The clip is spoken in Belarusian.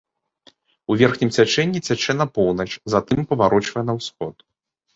У верхнім цячэнні цячэ на поўнач, затым паварочвае на ўсход.